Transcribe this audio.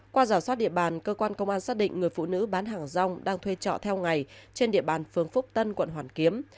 qua giả soát địa bàn cơ quan công an xác định người phụ nữ bán hàng rong đang thuê trọ theo ngày trên địa bàn phường phúc tân quận hoàn kiếm